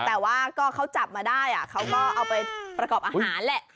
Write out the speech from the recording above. แต่ว่าก็เขาจับมาได้เขาก็เอาไปประกอบอาหารแหละ